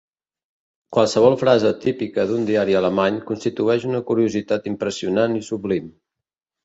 Qualsevol frase típica d'un diari alemany constitueix una curiositat impressionant i sublim.